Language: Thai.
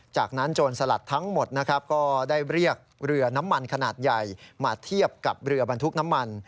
จากนั้นโจรสลัดทั้งหมดนะครับก็ได้เรียกเรือน้ำมันขนาดใหญ่มาเทียบกับเรือบรรทุกน้ำมัน